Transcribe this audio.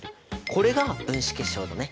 これが「分子結晶」だね。